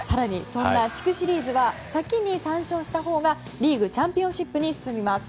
そんな地区シリーズは先に３勝したほうがリーグチャンピオンシップに進みます。